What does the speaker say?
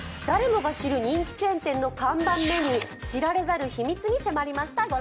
誰もが知る人気チェーン店の看板メニュー、知られざる秘密に迫りました。